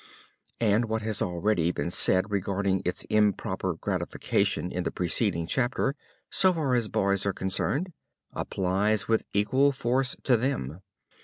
And what has already been said regarding its improper gratification in the preceding chapter, so far as boys are concerned, applies with equal force to them.